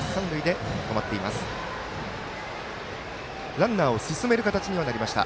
ランナーを進める形にはなりました。